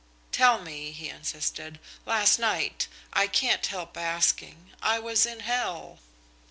"Tell me," he insisted, "last night? I can't help asking. I was in hell!"